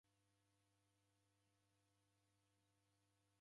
Namw'anga ndechee